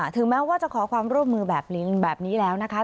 ถึงแม้ว่าจะขอความร่วมมือแบบนี้แล้วนะคะ